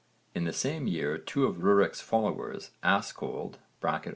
In the same year two of Rurik's followers, Askold (O.